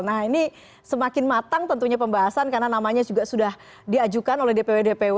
nah ini semakin matang tentunya pembahasan karena namanya juga sudah diajukan oleh dpw dpw